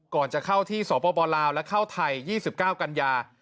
ก่อนจะเข้าที่สปลาวและเข้าไทย๒๙กันยา